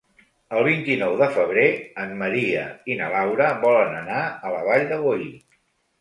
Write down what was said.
El vint-i-nou de febrer en Maria i na Laura volen anar a la Vall de Boí.